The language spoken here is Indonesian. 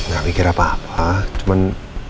gak mikir apa apa cuman